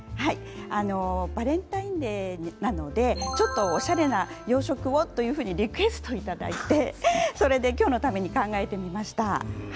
バレンタインデーなのでちょっとおしゃれな洋食をというふうにリクエストがありましたので今日のために考えてみました。